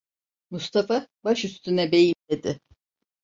Mustafa: "Baş üstüne beyim…" dedi.